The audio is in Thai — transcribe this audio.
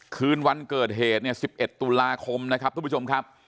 คืนวันเกิดเหตุเนี่ย๑๑ตุลาคมนะครับทุกผู้ชมครับ